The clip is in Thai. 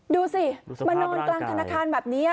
ดูสิมานอนกลางธนาคารแบบนี้